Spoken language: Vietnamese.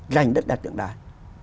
dành đất đặt tượng đài